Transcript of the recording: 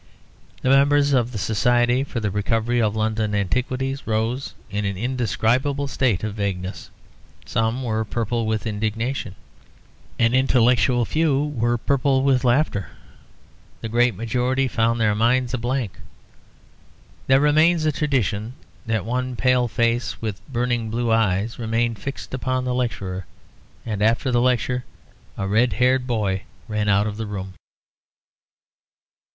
The members of the Society for the Recovery of London Antiquities rose in an indescribable state of vagueness. Some were purple with indignation; an intellectual few were purple with laughter; the great majority found their minds a blank. There remains a tradition that one pale face with burning blue eyes remained fixed upon the lecturer, and after the lecture a red haired boy ran out of the room.